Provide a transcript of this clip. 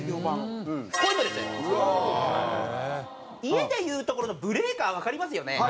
家でいうところのブレーカーわかりますよね？